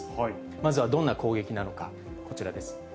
まずはどんな攻撃なのか、こちらです。